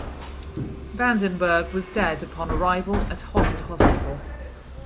Vandenberg was dead upon arrival at Holland Hospital.